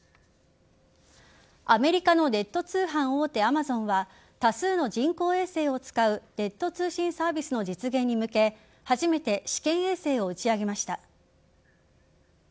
アメリカのネット通販大手Ａｍａｚｏｎは多数の人工衛星を使うデータ通信サービスの実現に向け初めて試験衛星を打ち上げました。